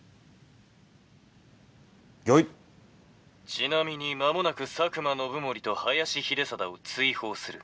「ちなみに間もなく佐久間信盛と林秀貞を追放する」。